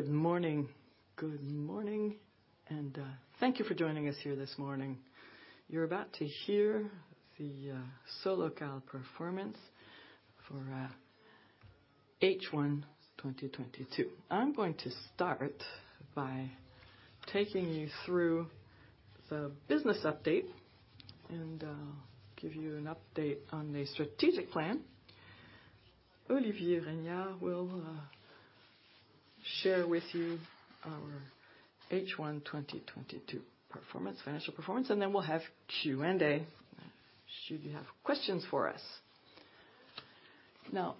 Good morning. Good morning, and thank you for joining us here this morning. You're about to hear the Solocal performance for H1 2022. I'm going to start by taking you through the business update and give you an update on the strategic plan. Olivier Regnard will share with you our H1 2022 performance, financial performance, and then we'll have Q&A should you have questions for us. Now,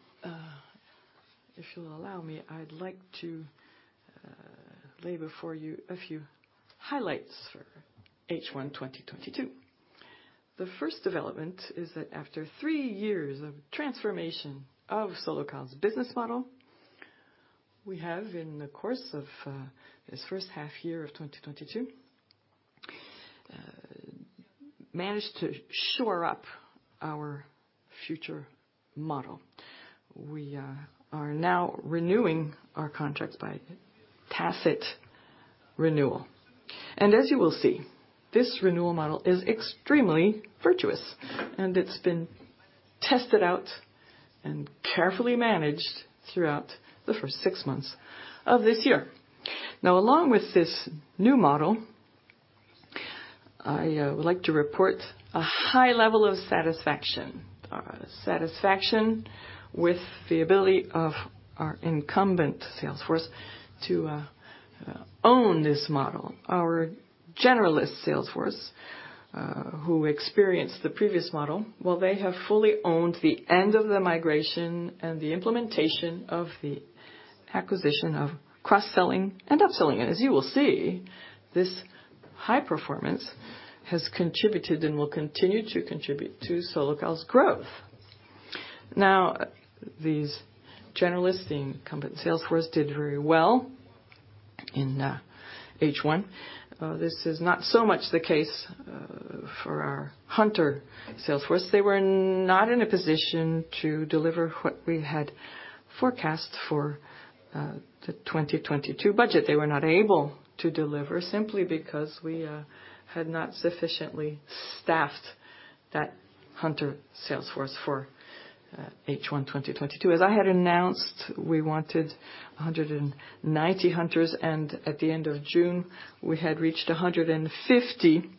if you'll allow me, I'd like to lay before you a few highlights for H1 2022. The first development is that after three years of transformation of Solocal's business model, we have, in the course of this first half year of 2022, managed to shore up our future model. We are now renewing our contracts by tacit renewal. As you will see, this renewal model is extremely virtuous, and it's been tested out and carefully managed throughout the first six months of this year. Now, along with this new model, I would like to report a high level of satisfaction. Satisfaction with the ability of our incumbent sales force to own this model. Our generalist sales force, who experienced the previous model, well, they have fully owned the end of the migration and the implementation of the acquisition of cross-selling and up-selling. As you will see, this high performance has contributed and will continue to contribute to Solocal's growth. Now, these generalists, the incumbent sales force, did very well in H1. This is not so much the case for our hunter sales force. They were not in a position to deliver what we had forecast for the 2022 budget. They were not able to deliver simply because we had not sufficiently staffed that hunter sales force for H1 2022. As I had announced, we wanted 190 hunters, and at the end of June, we had reached 150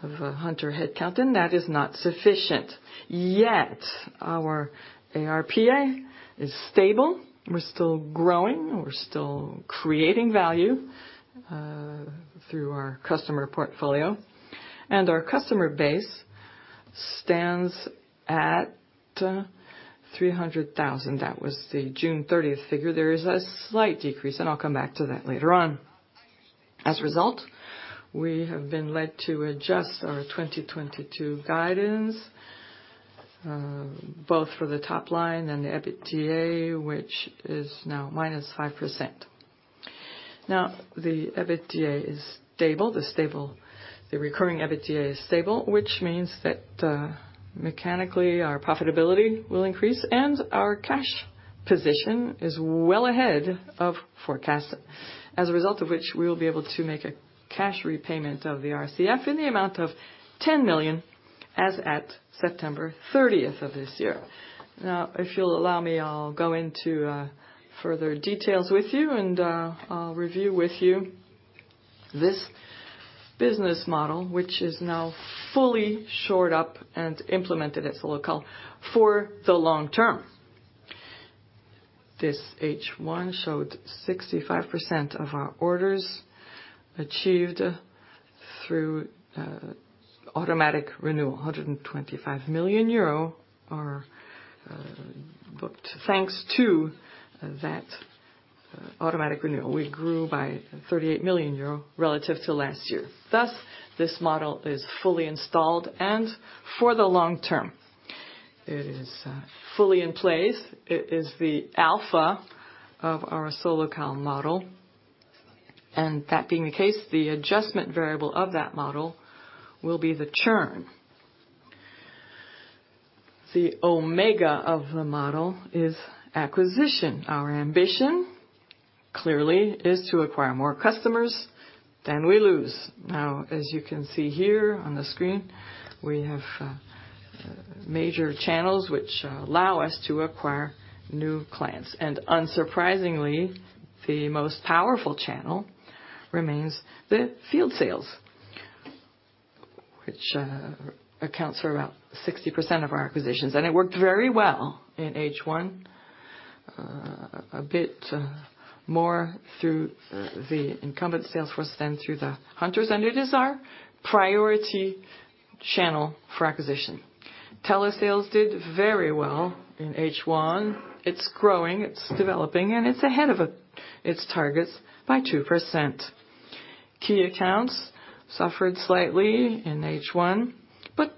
hunter headcount, and that is not sufficient. Yet, our ARPA is stable. We're still growing. We're still creating value through our customer portfolio. Our customer base stands at 300,000. That was the June 30 figure. There is a slight decrease, and I'll come back to that later on. As a result, we have been led to adjust our 2022 guidance both for the top line and the EBITDA, which is now -5%. Now, the EBITDA is stable. The recurring EBITDA is stable, which means that mechanically, our profitability will increase, and our cash position is well ahead of forecast. As a result of which, we will be able to make a cash repayment of the RCF in the amount of 10 million as at September thirtieth of this year. Now, if you'll allow me, I'll go into further details with you, and I'll review with you this business model, which is now fully shored up and implemented at Solocal for the long term. This H1 showed 65% of our orders achieved through automatic renewal. 125 million euro are booked. Thanks to that automatic renewal, we grew by 38 million euro relative to last year. Thus, this model is fully installed, and for the long term. It is fully in place. It is the alpha of our Solocal model. That being the case, the adjustment variable of that model will be the churn. The omega of the model is acquisition. Our ambition, clearly, is to acquire more customers than we lose. Now, as you can see here on the screen, we have major channels which allow us to acquire new clients. Unsurprisingly, the most powerful channel remains the field sales, which accounts for about 60% of our acquisitions. It worked very well in H1, a bit more through the incumbent sales force than through the hunters, and it is our priority channel for acquisition. Telesales did very well in H1. It's growing, it's developing, and it's ahead of its targets by 2%. Key accounts suffered slightly in H1, but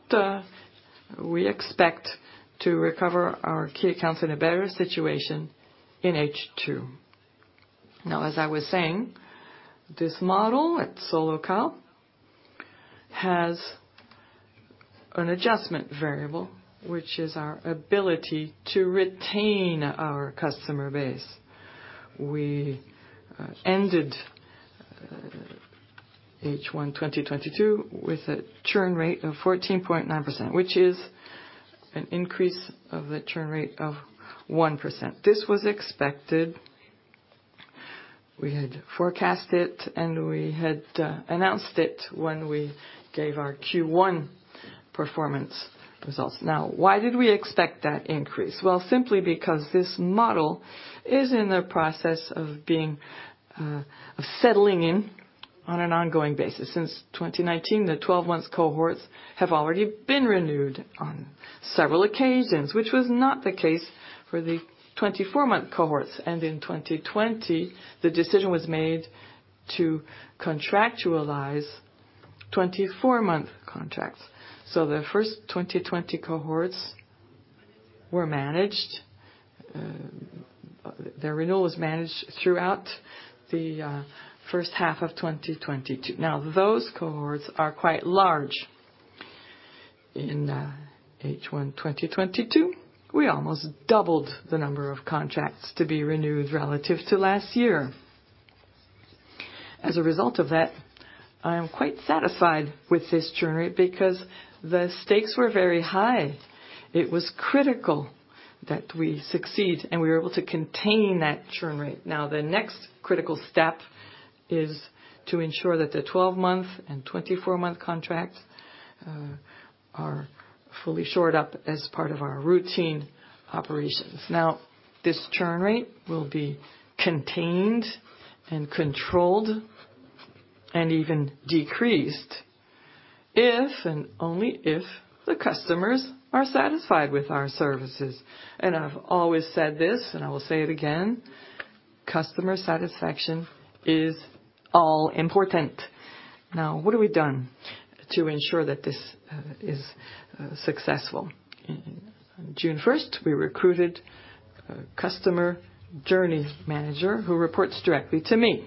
we expect to recover our key accounts in a better situation in H2. Now, as I was saying, this model at Solocal has an adjustment variable, which is our ability to retain our customer base. We ended H1 2022 with a churn rate of 14.9%, which is an increase of the churn rate of 1%. This was expected. We had forecast it, and we had announced it when we gave our Q1 performance results. Now, why did we expect that increase? Well, simply because this model is in the process of settling in on an ongoing basis. Since 2019, the 12-month cohorts have already been renewed on several occasions, which was not the case for the 24-month cohorts. In 2020, the decision was made to contractualize 24-month contracts. The first 2020 cohorts were managed. The renewal was managed throughout the first half of 2022. Now, those cohorts are quite large. In H1, 2022, we almost doubled the number of contracts to be renewed relative to last year. As a result of that, I am quite satisfied with this churn rate because the stakes were very high. It was critical that we succeed, and we were able to contain that churn rate. Now, the next critical step is to ensure that the 12-month and 24-month contracts are fully shored up as part of our routine operations. Now, this churn rate will be contained and controlled and even decreased if and only if the customers are satisfied with our services. I've always said this, and I will say it again, customer satisfaction is all important. Now, what have we done to ensure that this is successful? On June 1st, we recruited a customer journey manager who reports directly to me.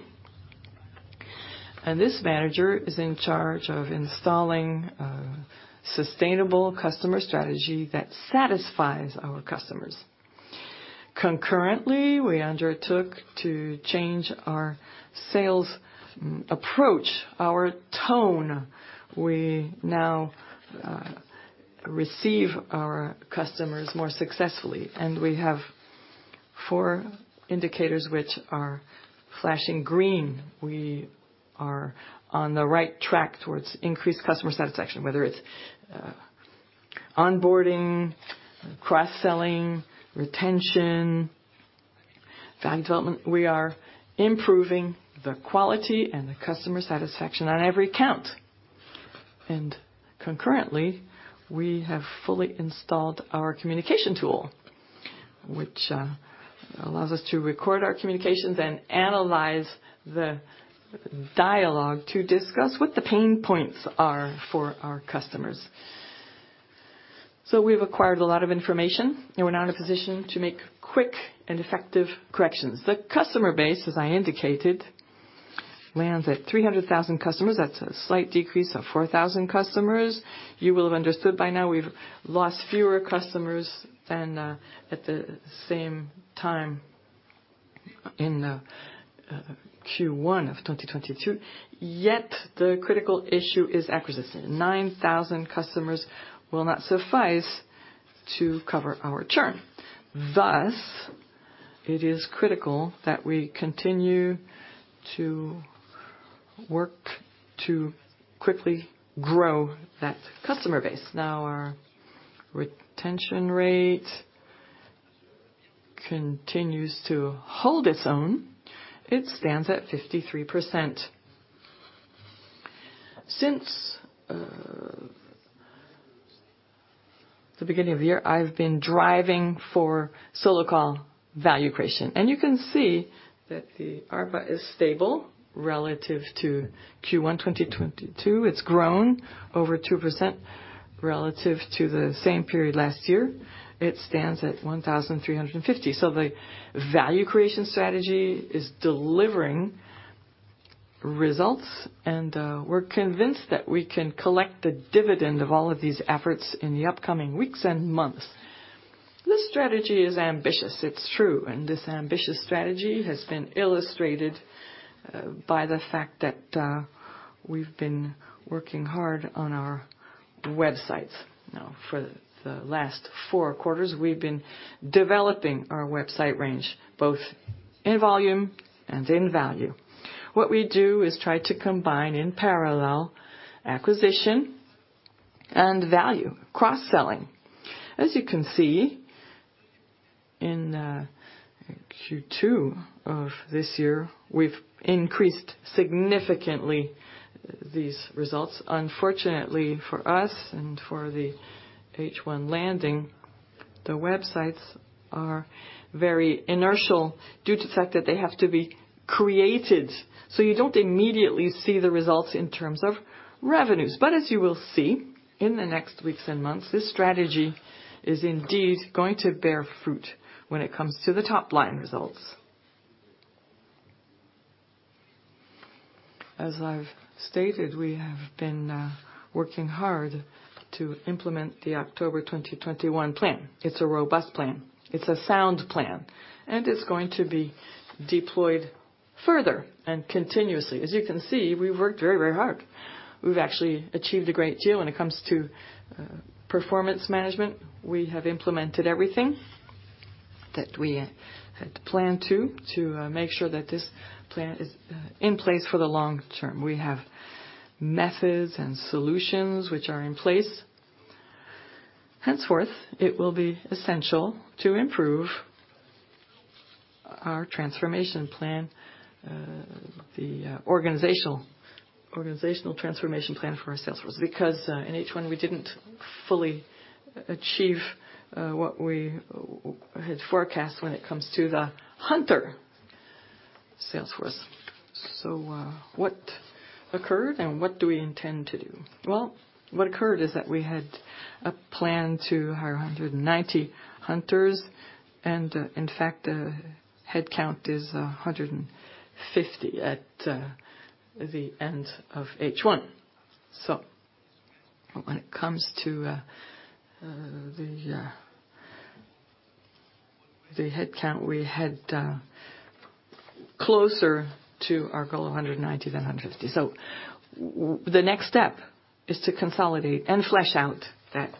This manager is in charge of installing a sustainable customer strategy that satisfies our customers. Concurrently, we undertook to change our sales approach, our tone. We now receive our customers more successfully, and we have four indicators which are flashing green. We are on the right track towards increased customer satisfaction, whether it's onboarding, cross-selling, retention, value development. We are improving the quality and the customer satisfaction on every count. Concurrently, we have fully installed our communication tool, which allows us to record our communications and analyze the dialogue to discuss what the pain points are for our customers. We've acquired a lot of information, and we're now in a position to make quick and effective corrections. The customer base, as I indicated, lands at 300,000 customers. That's a slight decrease of 4,000 customers. You will have understood by now we've lost fewer customers than at the same time in Q1 of 2022. Yet the critical issue is acquisition. 9,000 customers will not suffice to cover our churn. Thus, it is critical that we continue to work to quickly grow that customer base. Now, our retention rate continues to hold its own. It stands at 53%. Since the beginning of the year, I've been driving for Solocal value creation, and you can see that the ARPA is stable relative to Q1, 2022. It's grown over 2% relative to the same period last year. It stands at 1,350. The value creation strategy is delivering results, and we're convinced that we can collect the dividend of all of these efforts in the upcoming weeks and months. This strategy is ambitious, it's true, and this ambitious strategy has been illustrated by the fact that we've been working hard on our websites now. For the last four quarters, we've been developing our website range, both in volume and in value. What we do is try to combine in parallel acquisition and value, cross-selling. As you can see in Q2 of this year, we've increased significantly these results. Unfortunately for us and for the H1 landing, the websites are very inertial due to the fact that they have to be created, so you don't immediately see the results in terms of revenues. As you will see in the next weeks and months, this strategy is indeed going to bear fruit when it comes to the top-line results. As I've stated, we have been working hard to implement the October 2021 plan. It's a robust plan. It's a sound plan. It's going to be deployed further and continuously. As you can see, we've worked very, very hard. We've actually achieved a great deal when it comes to performance management. We have implemented everything that we had planned to make sure that this plan is in place for the long term. We have methods and solutions which are in place. Henceforth, it will be essential to improve our transformation plan, the organizational transformation plan for our sales force, because in H1, we didn't fully achieve what we had forecast when it comes to the hunter sales force. What occurred, and what do we intend to do? Well, what occurred is that we had a plan to hire 190 hunters and, in fact, headcount is 150 at the end of H1. When it comes to the headcount, we had closer to our goal of 190 than 150. The next step is to consolidate and flesh out that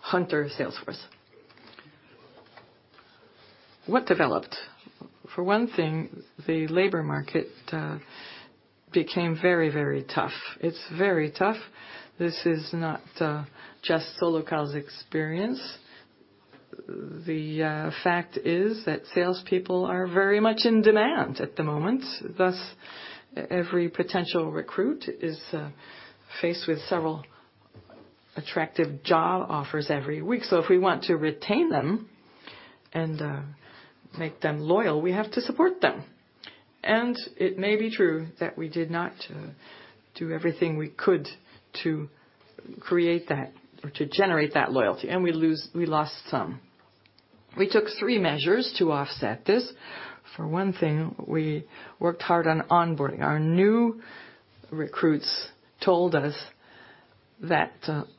hunter sales force. What developed? For one thing, the labor market became very, very tough. It's very tough. This is not just Solocal's experience. The fact is that salespeople are very much in demand at the moment, thus, every potential recruit is faced with several attractive job offers every week. If we want to retain them and make them loyal, we have to support them. It may be true that we did not do everything we could to create that or to generate that loyalty, and we lost some. We took three measures to offset this. For one thing, we worked hard on onboarding. Our new recruits told us that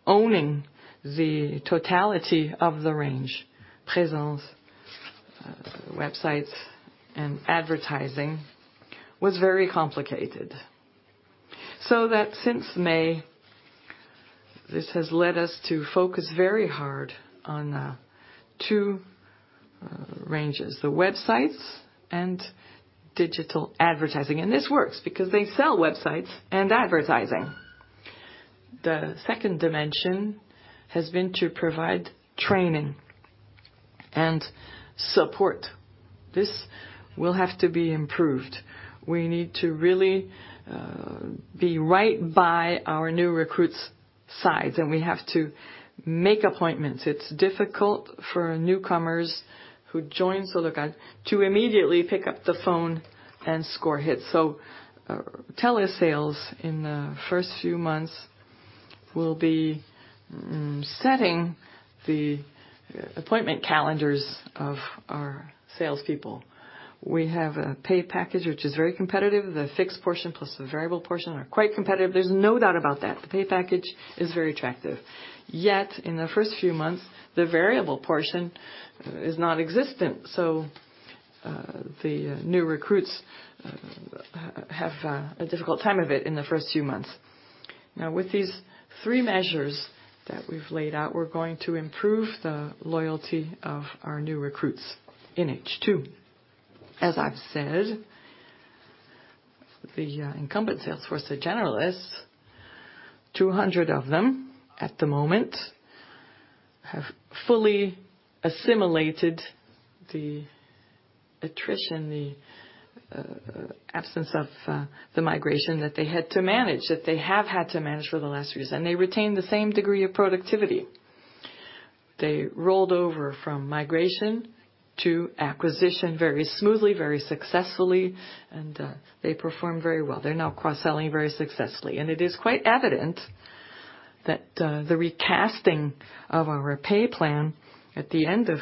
owning the totality of the range, presence, websites, and advertising, was very complicated. That since May, this has led us to focus very hard on two ranges, the websites and digital advertising. This works because they sell websites and advertising. The second dimension has been to provide training and support. This will have to be improved. We need to really be right by our new recruits' sides, and we have to make appointments. It's difficult for newcomers who join Solocal to immediately pick up the phone and score hits. Telesales in the first few months will be setting the appointment calendars of our salespeople. We have a pay package which is very competitive. The fixed portion plus the variable portion are quite competitive. There's no doubt about that. The pay package is very attractive. Yet, in the first few months, the variable portion is non-existent. The new recruits have a difficult time of it in the first few months. Now, with these three measures that we've laid out, we're going to improve the loyalty of our new recruits in H2. As I've said, the incumbent sales force, the generalists, 200 of them at the moment, have fully assimilated the attrition, the absence of the migration that they had to manage, that they have had to manage for the last few years, and they retain the same degree of productivity. They rolled over from migration to acquisition very smoothly, very successfully, and they performed very well. They're now cross-selling very successfully. It is quite evident that the recasting of our pay plan at the end of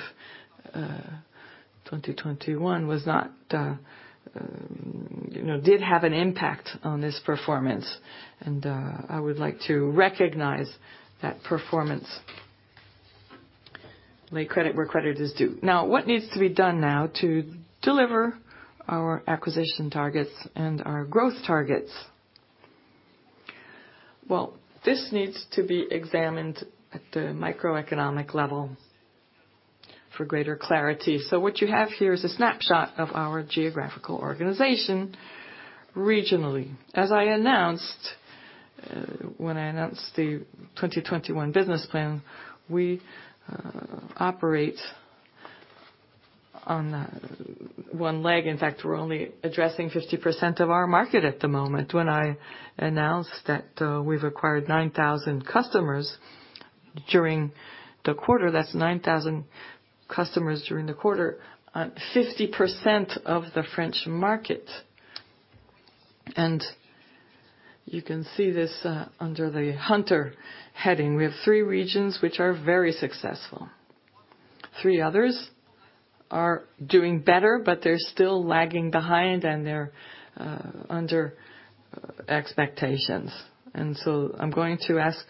2021 was not, you know, did have an impact on this performance. I would like to recognize that performance. Lay credit where credit is due. Now, what needs to be done now to deliver our acquisition targets and our growth targets? Well, this needs to be examined at the microeconomic level for greater clarity. What you have here is a snapshot of our geographical organization regionally. As I announced when I announced the 2021 business plan, we operate on one leg. In fact, we're only addressing 50% of our market at the moment. When I announced that, we've acquired 9,000 customers during the quarter. That's 9,000 customers during the quarter at 50% of the French market. You can see this under the Hunter heading. We have three regions which are very successful. Three others are doing better, but they're still lagging behind and they're under expectations. I'm going to ask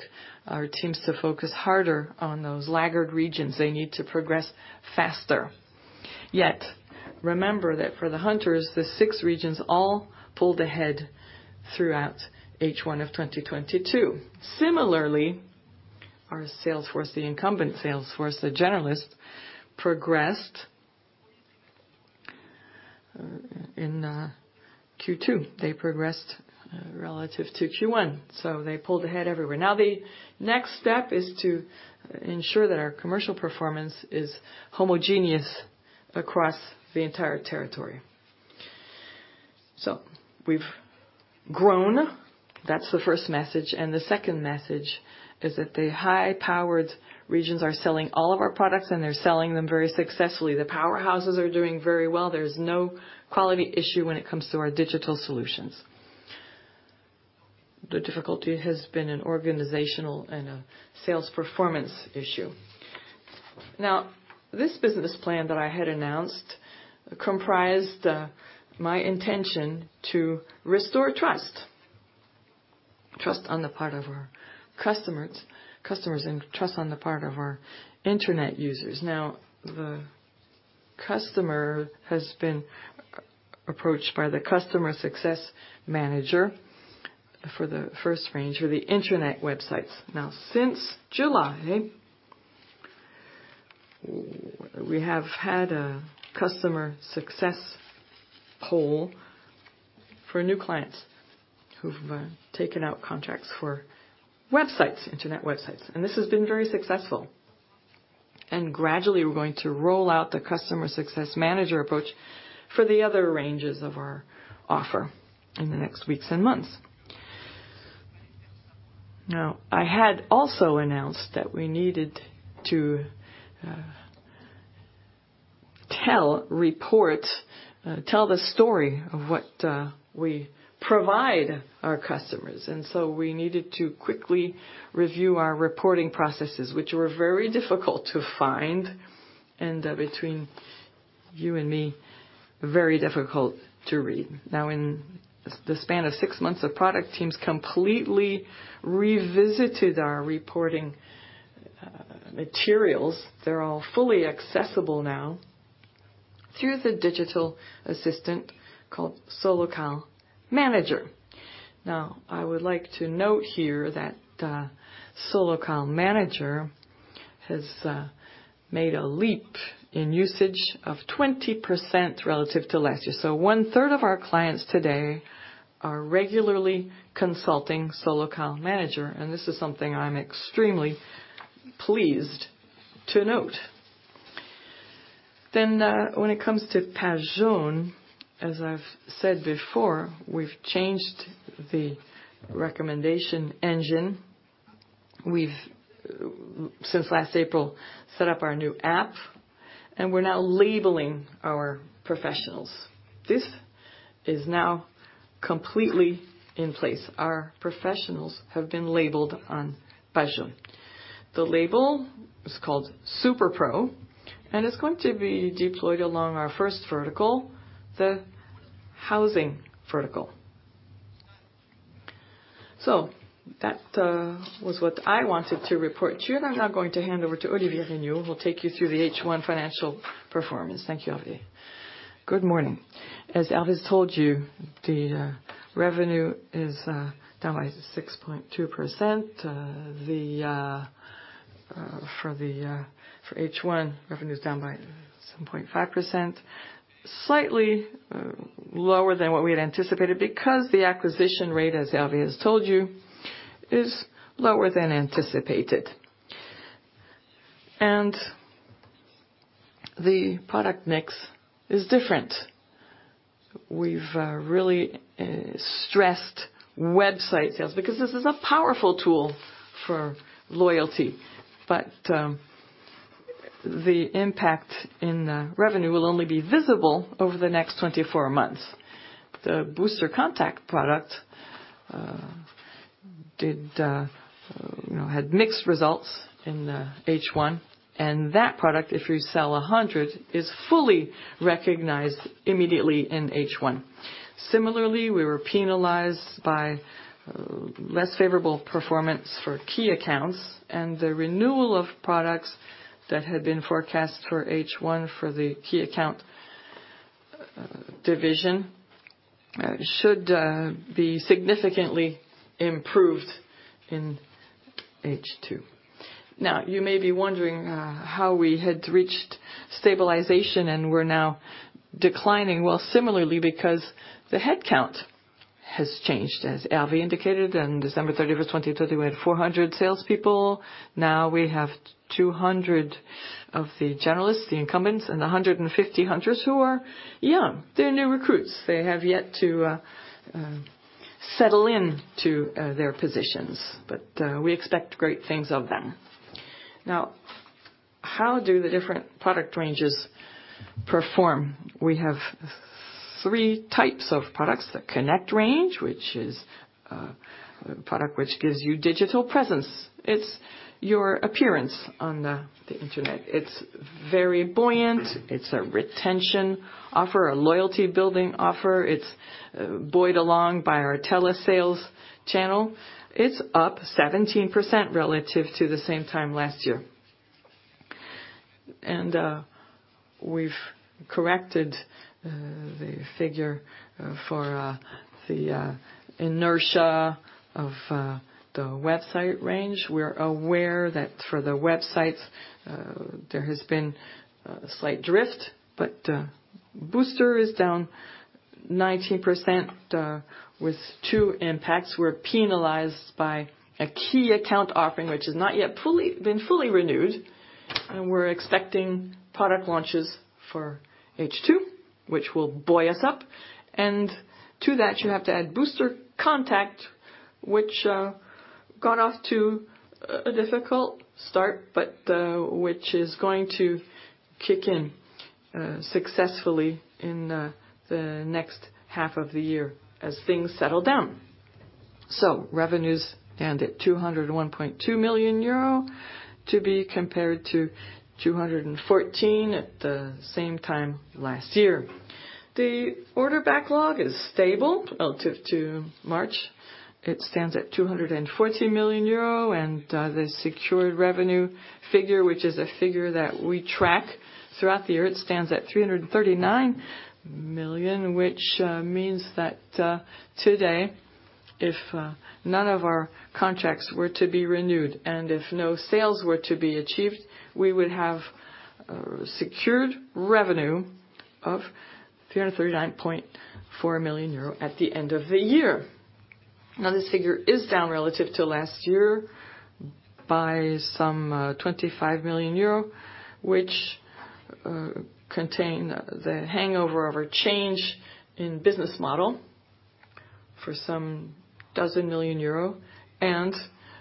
our teams to focus harder on those laggard regions. They need to progress faster. Yet, remember that for the hunters, the six regions all pulled ahead throughout H1 of 2022. Similarly, our sales force, the incumbent sales force, the generalists, progressed in Q2. They progressed relative to Q1, so they pulled ahead everywhere. Now, the next step is to ensure that our commercial performance is homogeneous across the entire territory. We've grown. That's the first message. The second message is that the high-powered regions are selling all of our products, and they're selling them very successfully. The powerhouses are doing very well. There's no quality issue when it comes to our digital solutions. The difficulty has been an organizational and a sales performance issue. Now, this business plan that I had announced comprised my intention to restore trust on the part of our customers, and trust on the part of our internet users. Now, the customer has been approached by the customer success manager for the first range or the internet websites. Now, since July, we have had a customer success role for new clients who've taken out contracts for websites, and this has been very successful. Gradually, we're going to roll out the customer success manager approach for the other ranges of our offer in the next weeks and months. Now, I had also announced that we needed to tell the story of what we provide our customers, and so we needed to quickly review our reporting processes, which were very difficult to find and, between you and me, very difficult to read. Now, in the span of six months, the product teams completely revisited our reporting materials. They're all fully accessible now through the digital assistant called Solocal Manager. Now, I would like to note here that Solocal Manager has made a leap in usage of 20% relative to last year. One-third of our clients today are regularly consulting Solocal Manager, and this is something I'm extremely pleased to note. When it comes to PagesJaunes, as I've said before, we've changed the recommendation engine. We've since last April set up our new app, and we're now labeling our professionals. This is now completely in place. Our professionals have been labeled on PagesJaunes. The label is called Super Pro, and it's going to be deployed along our first vertical, the housing vertical. That was what I wanted to report to you, and I'm now going to hand over to Olivier Regnard, who will take you through the H1 financial performance. Thank you, Olivier. Good morning?. As Hervé told you, the revenue is down by 6.2%. For H1, revenue is down by 7.5%, slightly lower than what we had anticipated because the acquisition rate, as Hervé has told you, is lower than anticipated. The product mix is different. We've really stressed website sales because this is a powerful tool for loyalty, but the impact in the revenue will only be visible over the next 24 months. The Booster Contact product had mixed results in H1, and that product, if you sell 100, is fully recognized immediately in H1. Similarly, we were penalized by less favorable performance for key accounts and the renewal of products that had been forecast for H1 for the key account division should be significantly improved in H2. Now, you may be wondering how we had reached stabilization, and we're now declining. Well, similarly, because the headcount has changed. As Hervé indicated, on December 31, 2020, we had 400 salespeople. Now we have 200 of the generalists, the incumbents, and 150 hunters who are young. They're new recruits. They have yet to settle into their positions, but we expect great things of them. Now, how do the different product ranges perform? We have three types of products. The Connect range, which is a product which gives you digital presence. It's your appearance on the internet. It's very buoyant. It's a retention offer, a loyalty building offer. It's buoyed along by our Telesales channel. It's up 17% relative to the same time last year. We've corrected the figure for the inertia of the website range. We're aware that for the websites, there has been a slight drift. But Booster is down 19% with two impacts. We're penalized by a key account offering, which is not yet been fully renewed. We're expecting product launches for H2, which will buoy us up. To that, you have to add Booster Contact, which got off to a difficult start, but which is going to kick in successfully in the next half of the year as things settle down. Revenues end at 201.2 million euro, to be compared to 214 million at the same time last year. The order backlog is stable relative to March. It stands at 214 million euro. The secured revenue figure, which is a figure that we track throughout the year, it stands at 339 million, which means that today, if none of our contracts were to be renewed, and if no sales were to be achieved, we would have secured revenue of 339.4 million euro at the end of the year. Now, this figure is down relative to last year by some 25 million euro, which contains the hangover of a change in business model for some 12 million euro, and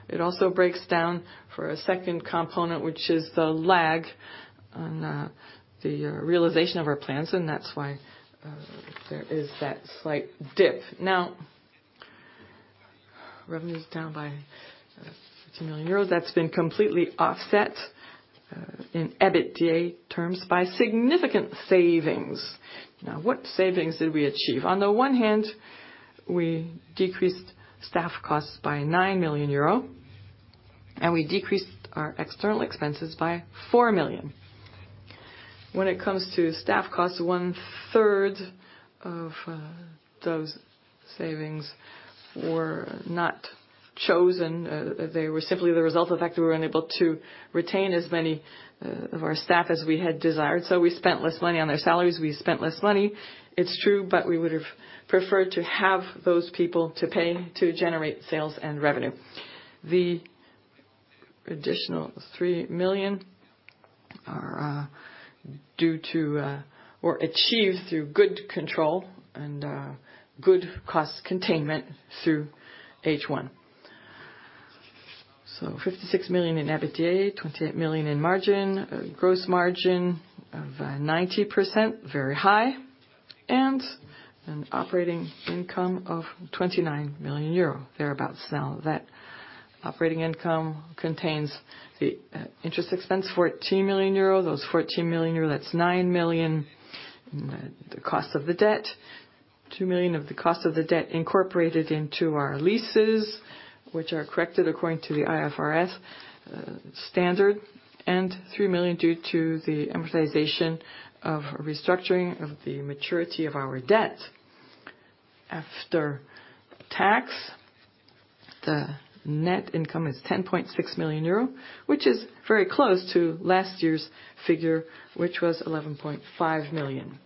it also breaks down for a second component, which is the lag on the realization of our plans, and that's why there is that slight dip. Now, revenue's down by 60 million euros. That's been completely offset in EBITDA terms by significant savings. Now, what savings did we achieve? On the one hand, we decreased staff costs by nine million euro, and we decreased our external expenses by four million. When it comes to staff costs, one-third of those savings were not chosen. They were simply the result of the fact that we were unable to retain as many of our staff as we had desired, so we spent less money on their salaries. We spent less money, it's true, but we would have preferred to have those people to pay to generate sales and revenue. The additional three million are due to or achieved through good control and good cost containment through H1. So 56 million in EBITDA, 28 million in margin. A gross margin of 90%, very high, and an operating income of 29 million euro, thereabout. Now that operating income contains the interest expense, 14 million euro. Those 14 million euro, that's nine million, the cost of the debt. two million of the cost of the debt incorporated into our leases, which are corrected according to the IFRS standard. Three million due to the amortization of restructuring of the maturity of our debt. After tax, the net income is 10.6 million euro, which is very close to last year's figure, which was 11.5 million.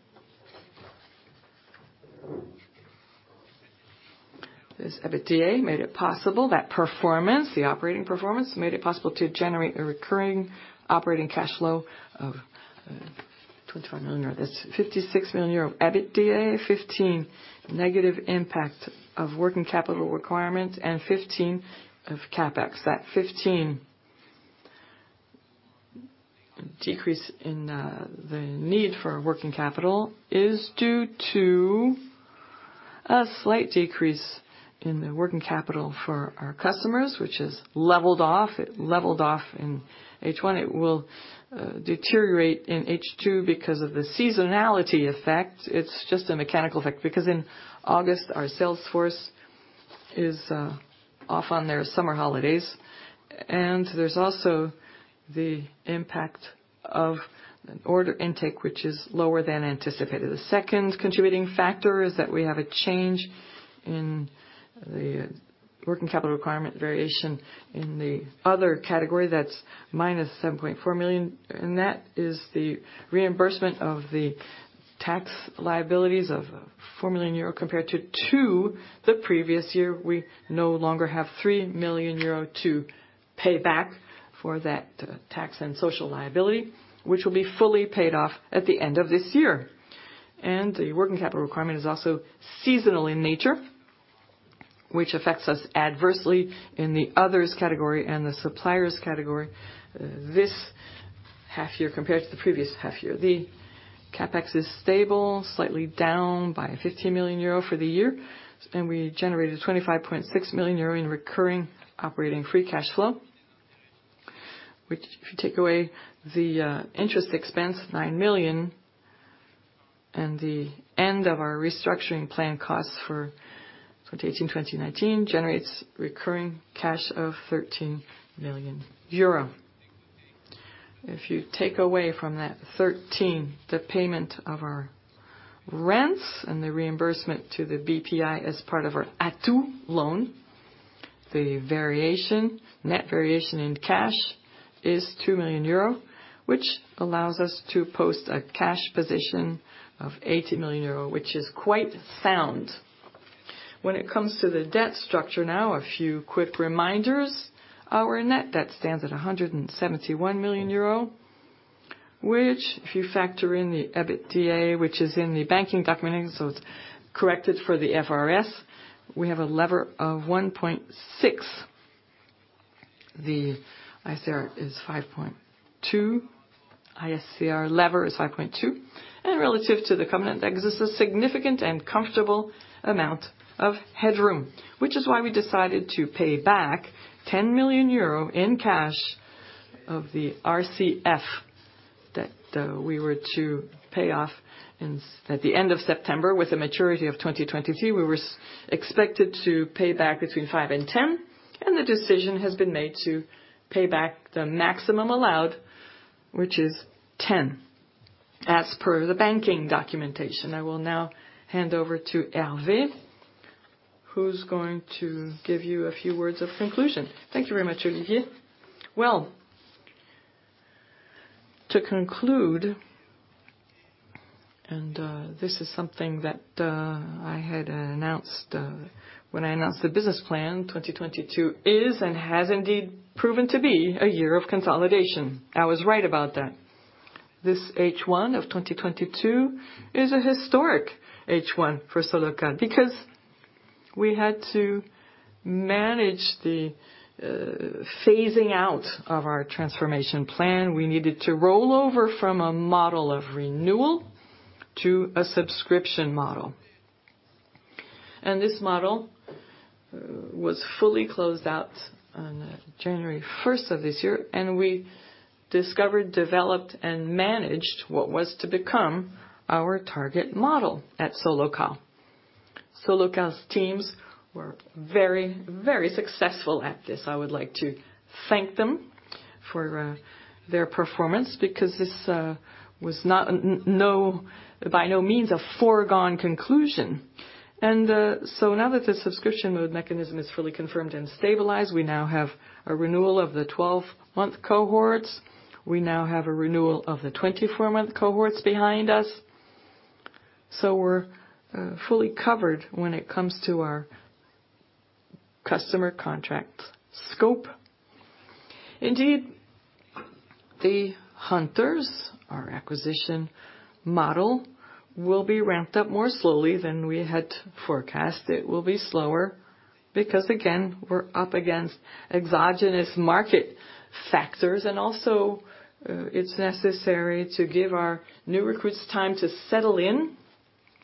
That performance, the operating performance, made it possible to generate a recurring operating cash flow of 25 million euro. That's 56 million euro of EBITDA, 15 million negative impact of working capital requirements, and 15 million of CapEx. That 15 million decrease in the need for working capital is due to a slight decrease in the working capital for our customers, which has leveled off. It leveled off in H1. It will deteriorate in H2 because of the seasonality effect. It's just a mechanical effect because in August, our sales force is off on their summer holidays, and there's also the impact of an order intake, which is lower than anticipated. The second contributing factor is that we have a change in the working capital requirement variation in the other category that's -7.4 million, and that is the reimbursement of the tax liabilities of four million euro compared to two million the previous year. We no longer have three million euro to pay back for that tax and social liability, which will be fully paid off at the end of this year. The working capital requirement is also seasonal in nature. Which affects us adversely in the others category and the suppliers category, this half year compared to the previous half year. The CapEx is stable, slightly down by 50 million euro for the year, and we generated 25.6 million euro in recurring operating free cash flow. Which if you take away the interest expense, nine million, and the end of our restructuring plan costs for 2018, 2019 generates recurring cash of 13 million euro. If you take away from that 13 the payment of our rents and the reimbursement to the Bpifrance as part of our ATU loan, the net variation in cash is two million euro, which allows us to post a cash position of 80 million euro, which is quite sound. When it comes to the debt structure now, a few quick reminders. Our net debt stands at 171 million euro. Which if you factor in the EBITDA, which is in the banking document, so it's corrected for the IFRS, we have a lever of 1.6. The ISCR is 5.2. ISCR lever is 5.2. Relative to the covenant, there exists a significant and comfortable amount of headroom, which is why we decided to pay back 10 million euro in cash of the RCF that we were to pay off at the end of September, with a maturity of 2022. We were expected to pay back between five and 10, and the decision has been made to pay back the maximum allowed, which is 10, as per the banking documentation. I will now hand over to Hervé, who's going to give you a few words of conclusion. Thank you very much, Olivier. Well, to conclude, this is something that I had announced when I announced the business plan. 2022 is and has indeed proven to be a year of consolidation. I was right about that. This H1 of 2022 is a historic H1 for Solocal because we had to manage the phasing out of our transformation plan. We needed to roll over from a model of renewal to a subscription model. This model was fully closed out on January first of this year, and we discovered, developed, and managed what was to become our target model at Solocal. Solocal's teams were very, very successful at this. I would like to thank them for their performance because this was not by no means a foregone conclusion. Now that the subscription mode mechanism is fully confirmed and stabilized, we now have a renewal of the 12-month cohorts. We now have a renewal of the 24-month cohorts behind us. We're fully covered when it comes to our customer contract scope. Indeed, the hunters, our acquisition model, will be ramped up more slowly than we had forecast. It will be slower because, again, we're up against exogenous market factors. It's necessary to give our new recruits time to settle in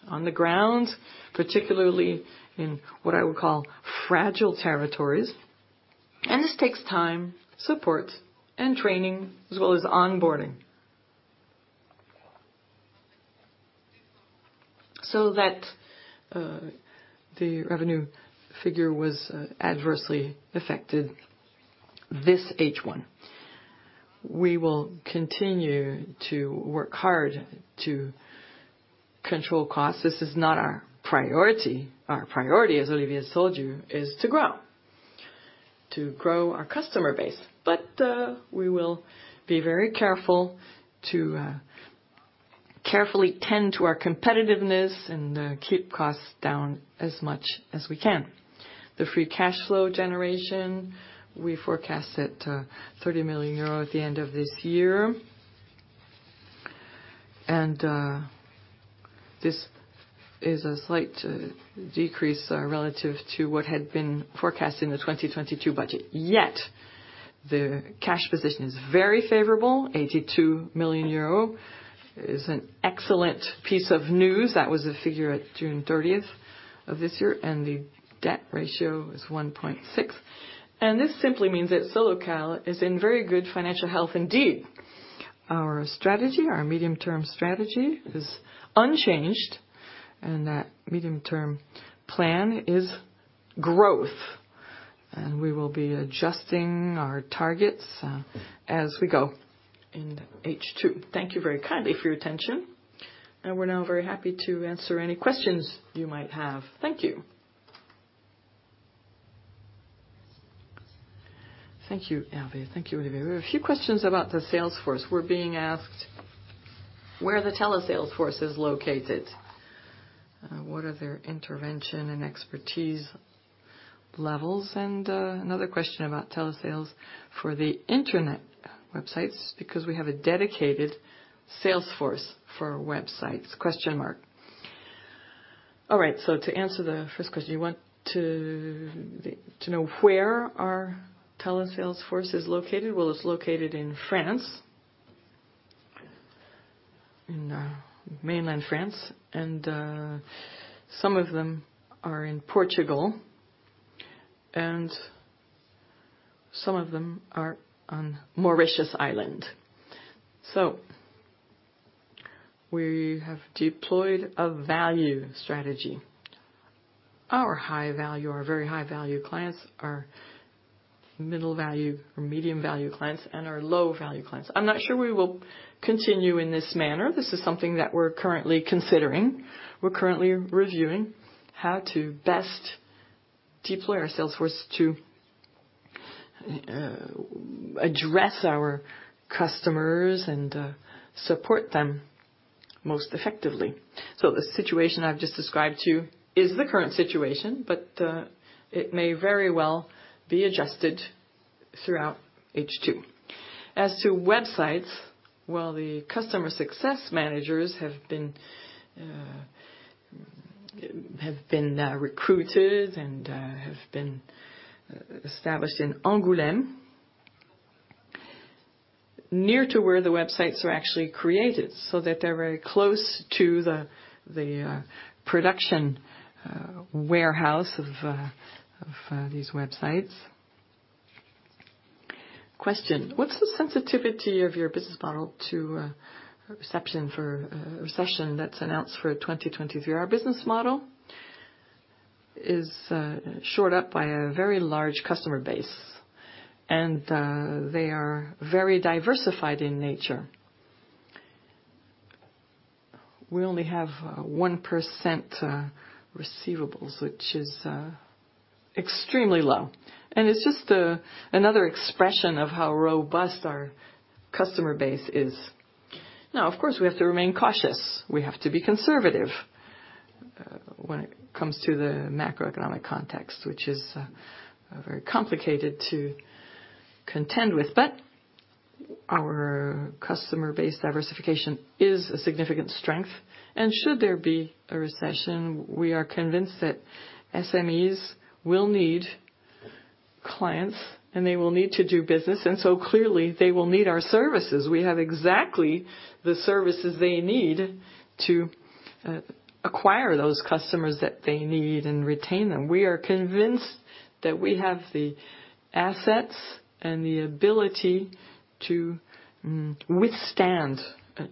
on the ground, particularly in what I would call fragile territories. This takes time, support, and training, as well as onboarding. That the revenue figure was adversely affected this H1. We will continue to work hard to control costs. This is not our priority. Our priority, as Olivier has told you, is to grow our customer base. We will be very careful to carefully tend to our competitiveness and keep costs down as much as we can. The free cash flow generation, we forecast it, 30 million euro at the end of this year. This is a slight decrease relative to what had been forecast in the 2022 budget. Yet, the cash position is very favorable. 82 million euro is an excellent piece of news. That was the figure at June 30th of this year, and the debt ratio is 1.6. This simply means that Solocal is in very good financial health indeed. Our strategy, our medium-term strategy is unchanged, and that medium-term plan is growth. We will be adjusting our targets, as we go in H2. Thank you very kindly for your attention, and we're now very happy to answer any questions you might have. Thank you. Thank you, Hervé. Thank you, Olivier. We have a few questions about the sales force. We're being asked where the Telesales force is located. What are their intervention and expertise levels? Another question about Telesales for the internet websites because we have a dedicated sales force for websites. All right, to answer the first question, you want to know where our telesales force is located. Well, it's located in France. In mainland France, and some of them are in Portugal, and some of them are on Mauritius Island. We have deployed a value strategy. Our high-value, our very high-value clients, our middle-value or medium-value clients, and our low-value clients. I'm not sure we will continue in this manner. This is something that we're currently considering. We're currently reviewing how to best deploy our sales force to address our customers and support them most effectively. The situation I've just described to you is the current situation, but it may very well be adjusted throughout H2. As to websites, while the customer success managers have been recruited and have been established in Angoulême, near to where the websites are actually created, so that they're very close to the production warehouse of these websites. Question. What's the sensitivity of your business model to a recession that's announced for 2023? Our business model is shored up by a very large customer base, and they are very diversified in nature. We only have 1% receivables, which is extremely low, and it's just another expression of how robust our customer base is. Now, of course, we have to remain cautious. We have to be conservative when it comes to the macroeconomic context, which is very complicated to contend with. Our customer base diversification is a significant strength, and should there be a recession, we are convinced that SMEs will need clients, and they will need to do business, and so clearly they will need our services. We have exactly the services they need to acquire those customers that they need and retain them. We are convinced that we have the assets and the ability to withstand a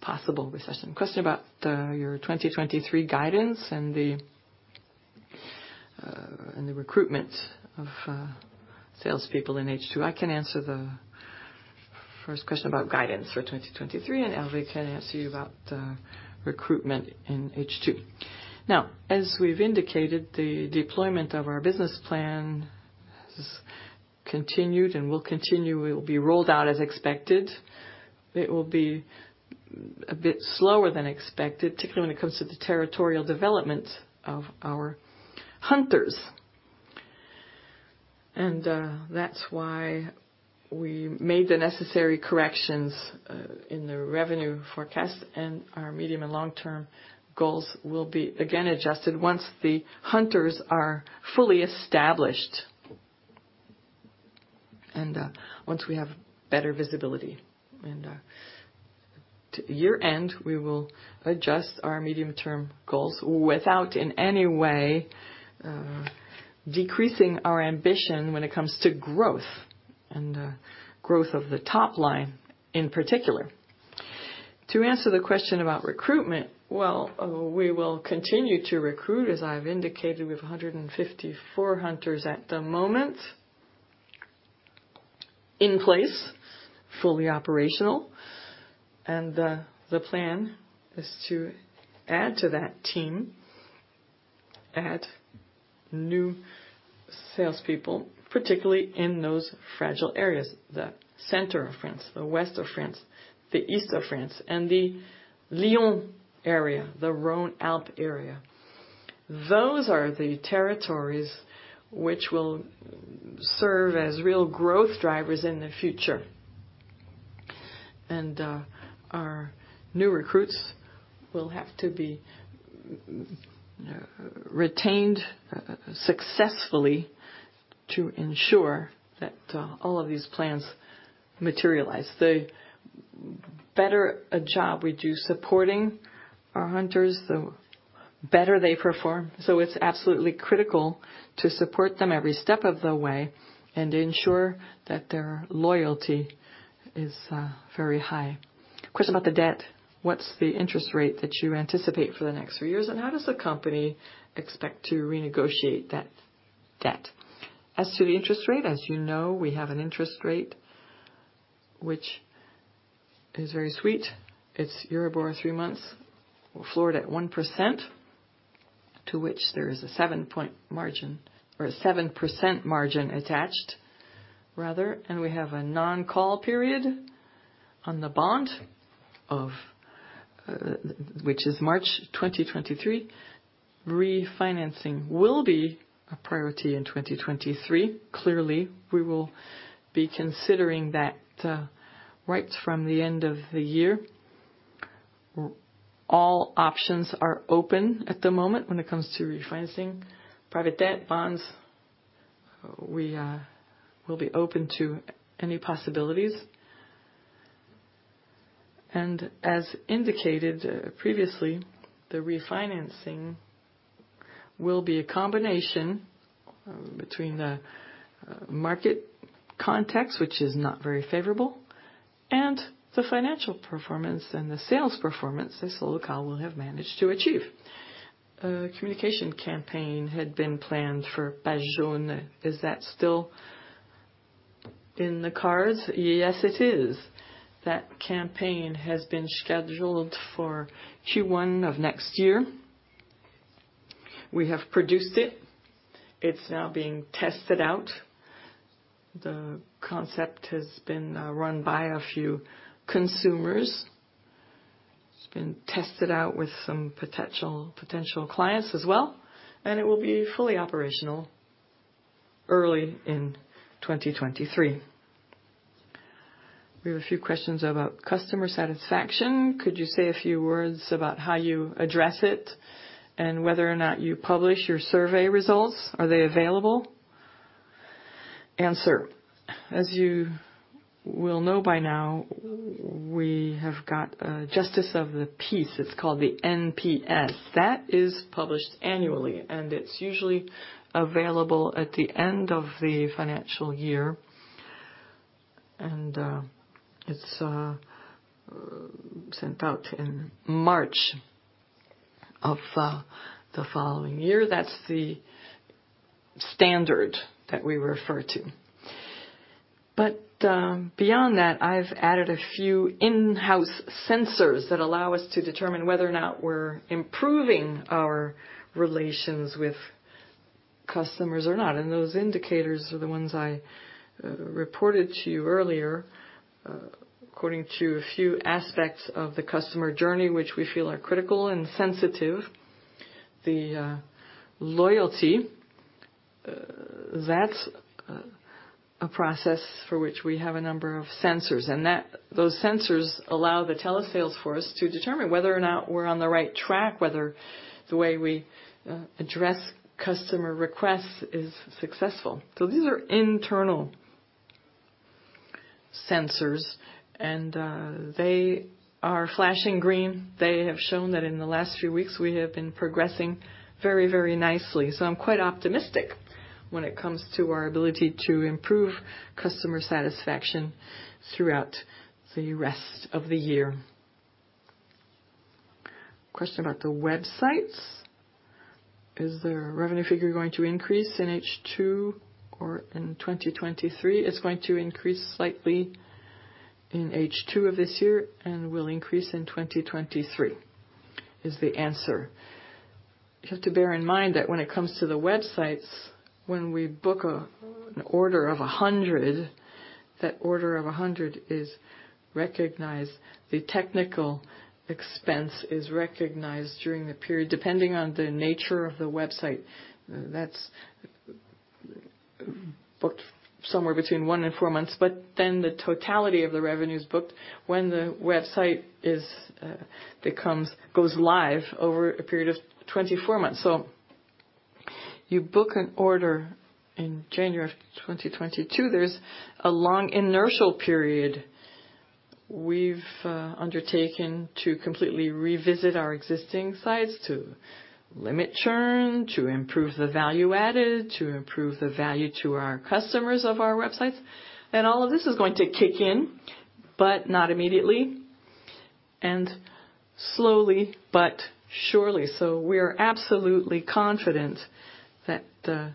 possible recession. Question about your 2023 guidance and the recruitment of salespeople in H2. I can answer the first question about guidance for 2023, and Hervé can answer you about the recruitment in H2. Now, as we've indicated, the deployment of our business plan has continued and will continue. It will be rolled out as expected. It will be a bit slower than expected, particularly when it comes to the territorial development of our hunters. That's why we made the necessary corrections in the revenue forecast, and our medium- and long-term goals will be again adjusted once the hunters are fully established. Once we have better visibility. Year-end, we will adjust our medium-term goals without in any way decreasing our ambition when it comes to growth of the top line in particular. To answer the question about recruitment, well, we will continue to recruit. As I've indicated, we have 154 hunters at the moment in place, fully operational, and the plan is to add to that team, add new salespeople, particularly in those fragile areas, the center of France, the west of France, the east of France, and the Lyon area, the Rhône-Alpes area. Those are the territories which will serve as real growth drivers in the future. Our new recruits will have to be retained successfully to ensure that all of these plans materialize. The better a job we do supporting our hunters, the better they perform, so it's absolutely critical to support them every step of the way and ensure that their loyalty is very high. Question about the debt What's the interest rate that you anticipate for the next three years, and how does the company expect to renegotiate that debt? As to the interest rate, as you know, we have an interest rate which is very sweet. It's Euribor 3 months floored at 1%, to which there is a 7-point margin or a 7% margin attached, rather, and we have a non-call period on the bond of, which is March 2023, refinancing will be a priority in 2023. Clearly, we will be considering that, right from the end of the year. All options are open at the moment when it comes to refinancing private debt bonds. We will be open to any possibilities. As indicated previously, the refinancing will be a combination between the market context, which is not very favorable, and the financial performance and the sales performance that Solocal will have managed to achieve. A communication campaign had been planned for PagesJaunes. Is that still in the cards? Yes, it is. That campaign has been scheduled for Q1 of next year. We have produced it. It's now being tested out. The concept has been run by a few consumers. It's been tested out with some potential clients as well, and it will be fully operational early in 2023. We have a few questions about customer satisfaction. Could you say a few words about how you address it and whether or not you publish your survey results? Are they available? As you will know by now, we have got an NPS. It's called the NPS. That is published annually, and it's usually available at the end of the financial year. It's sent out in March of the following year. That's the standard that we refer to. But beyond that, I've added a few in-house sensors that allow us to determine whether or not we're improving our relations with customers or not. Those indicators are the ones I reported to you earlier according to a few aspects of the customer journey, which we feel are critical and sensitive. The loyalty that's a process for which we have a number of sensors, and those sensors allow the Telesales force to determine whether or not we're on the right track, whether the way we address customer requests is successful. These are internal sensors, and they are flashing green. They have shown that in the last few weeks we have been progressing very, very nicely. I'm quite optimistic when it comes to our ability to improve customer satisfaction throughout the rest of the year. Question about the websites. Is their revenue figure going to increase in H2 or in 2023? It's going to increase slightly in H2 of this year and will increase in 2023, is the answer. You have to bear in mind that when it comes to the websites, when we book an order of 100, that order of 100 is recognized. The technical expense is recognized during the period, depending on the nature of the website. That's booked somewhere between one and four months. The totality of the revenue is booked when the website goes live over a period of 24 months. You book an order in January 2022, there's a long inertial period we've undertaken to completely revisit our existing sites, to limit churn, to improve the value added, to improve the value to our customers of our websites. All of this is going to kick in, but not immediately, and slowly but surely. We're absolutely confident that the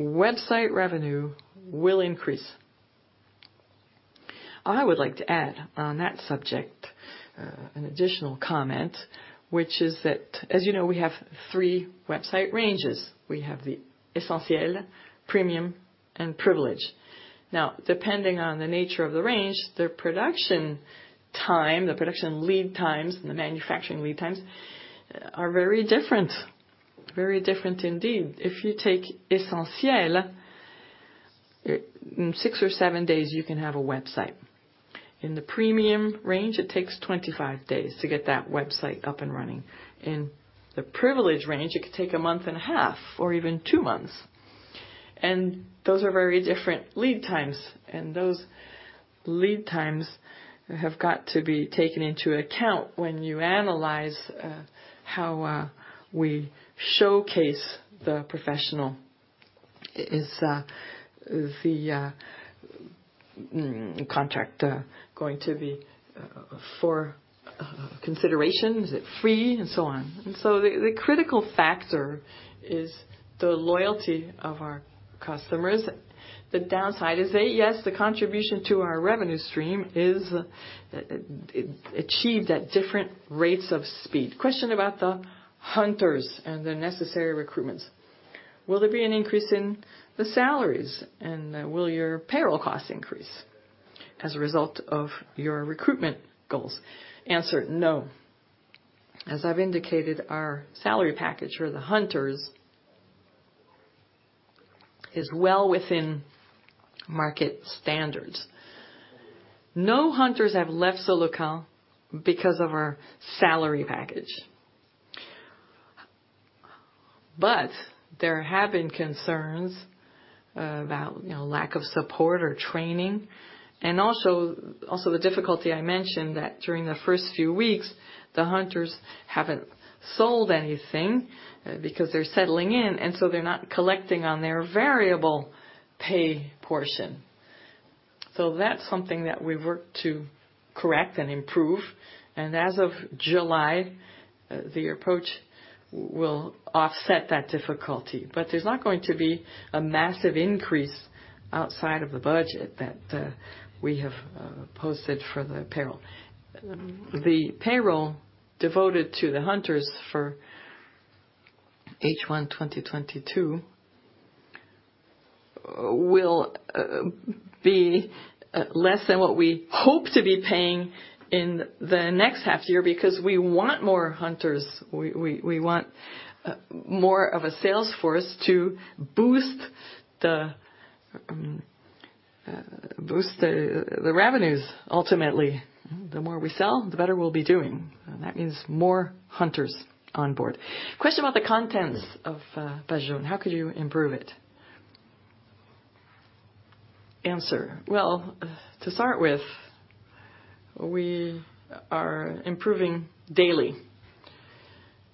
website revenue will increase. I would like to add on that subject an additional comment, which is that, as you know, we have three website ranges. We have the Essentiel, Premium, and Privilege. Now, depending on the nature of the range, their production time, the production lead times, the manufacturing lead times are very different. Very different indeed. If you take Essentiel, in six or seven days, you can have a website. In the Premium range, it takes 25 days to get that website up and running. In the Privilege range, it could take a month and a half or even two months. Those are very different lead times. Those lead times have got to be taken into account when you analyze how we showcase the professional. Is the contract going to be for consideration? Is it free? And so on. The critical factor is the loyalty of our customers. The downside is that, yes, the contribution to our revenue stream is achieved at different rates of speed. Question about the hunters and the necessary recruitments. Will there be an increase in the salaries, and will your payroll costs increase as a result of your recruitment goals? Answer, no.As I've indicated, our salary package for the hunters is well within market standards. No hunters have left Solocal because of our salary package. There have been concerns about lack of support or training, and also the difficulty I mentioned that during the first few weeks, the hunters haven't sold anything because they're settling in, and so they're not collecting on their variable pay portion. That's something that we've worked to correct and improve. As of July, the approach will offset that difficulty. There's not going to be a massive increase outside of the budget that we have posted for the payroll. The payroll devoted to the hunters for H1 2022 will be less than what we hope to be paying in the next half year because we want more hunters. We want more of a sales force to boost the revenues, ultimately. The more we sell, the better we'll be doing. That means more hunters on board. Question about the contents of PagesJaunes. How could you improve it? Answer. Well, to start with, we are improving daily.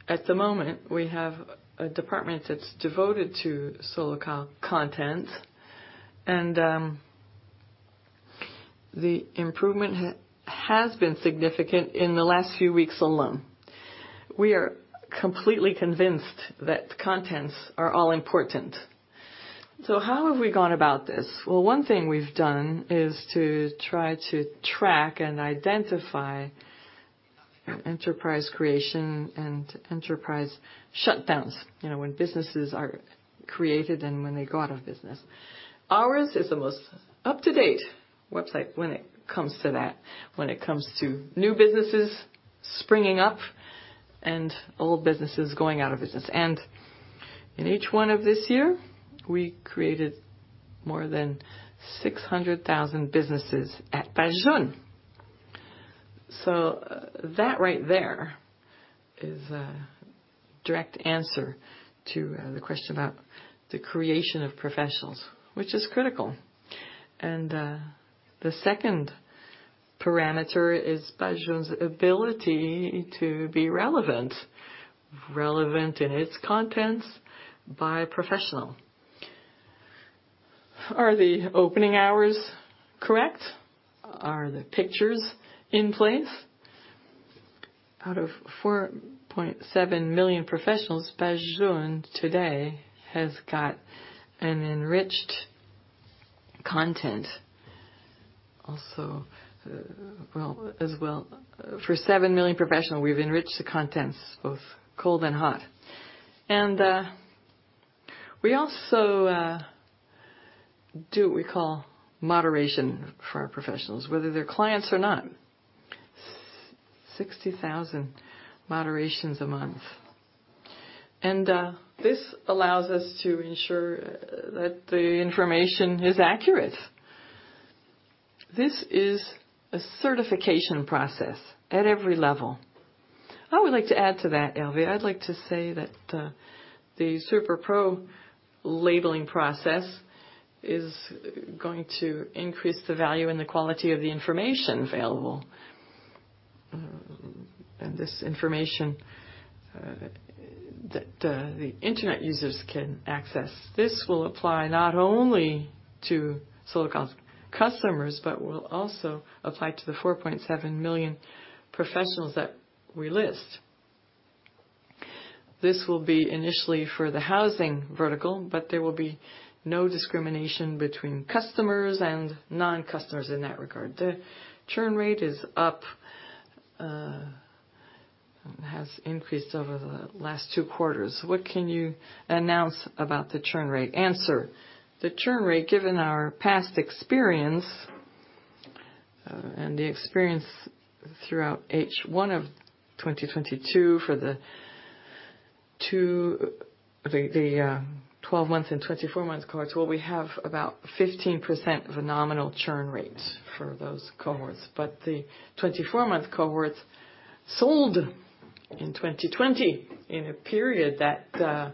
At the moment, we have a department that's devoted to Solocal content, and the improvement has been significant in the last few weeks alone. We are completely convinced that contents are all important. How have we gone about this? Well, one thing we've done is to try to track and identify enterprise creation and enterprise shutdowns, you know, when businesses are created and when they go out of business. Ours is the most up-to-date website when it comes to that, when it comes to new businesses springing up and old businesses going out of business. In H1 of this year, we created more than 600,000 businesses at PagesJaunes. That right there is a direct answer to the question about the creation of professionals, which is critical. The second parameter is PagesJaunes's ability to be relevant. Relevant in its contents by professional. Are the opening hours correct? Are the pictures in place? Out of 4.7 million professionals, PagesJaunes today has got an enriched content. For seven million professional, we've enriched the contents, both cold and hot. We do what we call moderation for our professionals, whether they're clients or not. 60,000 moderations a month. This allows us to ensure that the information is accurate. This is a certification process at every level. I would like to add to that, Hervé. I'd like to say that the Super Pro labeling process is going to increase the value and the quality of the information available. This information that the internet users can access. This will apply not only to Solocal's customers, but will also apply to the 4.7 million professionals that we list. This will be initially for the housing vertical, but there will be no discrimination between customers and non-customers in that regard. The churn rate is up, has increased over the last two quarters. What can you announce about the churn rate? Answer. The churn rate, given our past experience, and the experience throughout H1 of 2022 for the two... The 12-month and 24-month cohorts, well, we have about 15% of a nominal churn rate for those cohorts. The 24-month cohorts sold in 2020 in a period that,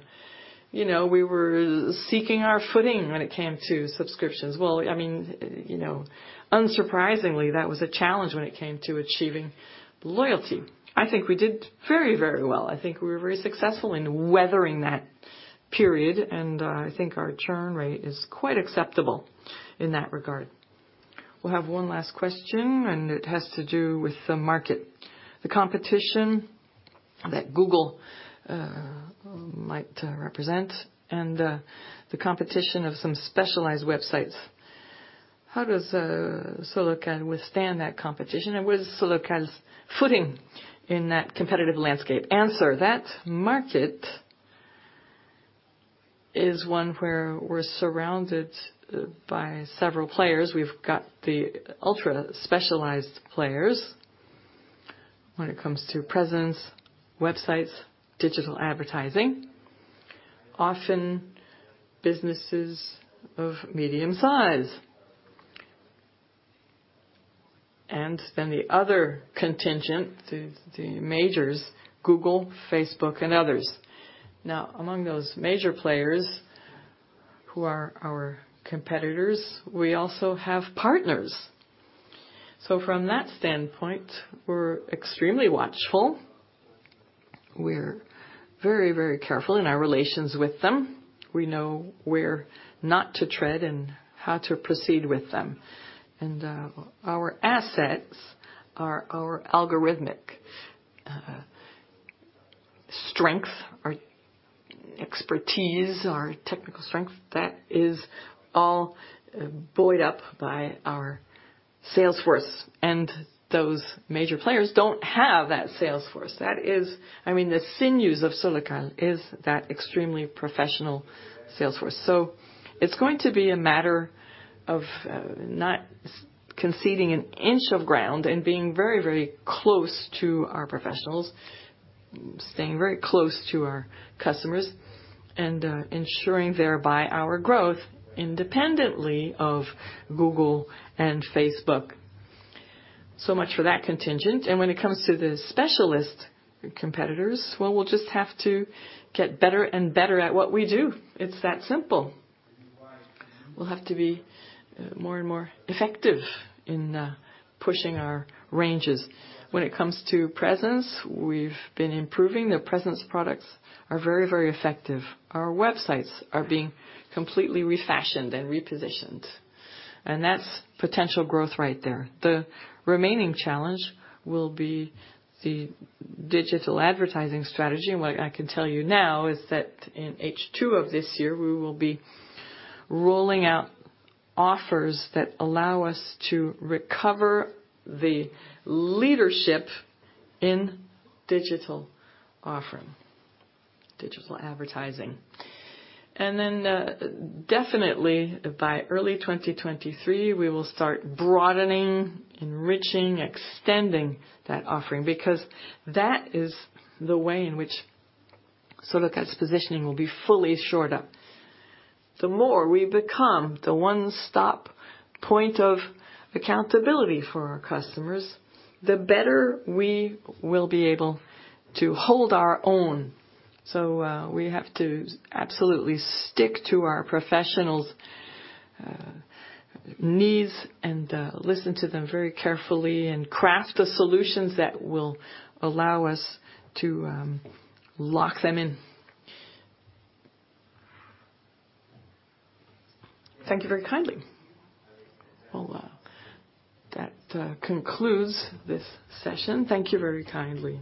you know, we were seeking our footing when it came to subscriptions. Well, I mean, you know, unsurprisingly, that was a challenge when it came to achieving loyalty. I think we did very, very well. I think we were very successful in weathering that period, and I think our churn rate is quite acceptable in that regard. We'll have one last question, and it has to do with the market, the competition that Google might represent, and the competition of some specialized websites. How does Solocal withstand that competition and where's Solocal's footing in that competitive landscape? Answer, that market is one where we're surrounded by several players. We've got the ultra-specialized players when it comes to presence, websites, digital advertising. Often businesses of medium size. The other contingent, the majors, Google, Facebook, and others. Now, among those major players who are our competitors, we also have partners. From that standpoint, we're extremely watchful. We're very, very careful in our relations with them. We know where not to tread and how to proceed with them. Our assets are our algorithmic strength, our expertise, our technical strength. That is all buoyed up by our sales force. Those major players don't have that sales force. That is I mean, the sinews of Solocal is that extremely professional sales force. It's going to be a matter of, not conceding an inch of ground and being very, very close to our professionals, staying very close to our customers, and, ensuring thereby our growth independently of Google and Facebook. Much for that contingent. When it comes to the specialist competitors, well, we'll just have to get better and better at what we do. It's that simple. We'll have to be more and more effective in, pushing our ranges. When it comes to presence, we've been improving. The presence products are very, very effective. Our websites are being completely refashioned and repositioned, and that's potential growth right there. The remaining challenge will be the digital advertising strategy. What I can tell you now is that in H2 of this year, we will be rolling out offers that allow us to recover the leadership in digital offering, digital advertising. Definitely by early 2023, we will start broadening, enriching, extending that offering because that is the way in which Solocal's positioning will be fully shored up. The more we become the one-stop point of accountability for our customers, the better we will be able to hold our own. We have to absolutely stick to our professionals' needs and listen to them very carefully and craft the solutions that will allow us to lock them in. Thank you very kindly. That concludes this session, thank you very kindly.